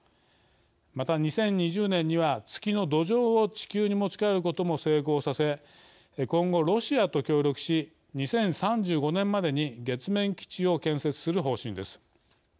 また２０２０年には月の土壌を地球に持ち帰ることも成功させ今後ロシアと協力し２０３５年までに月面基地を建設する方針です。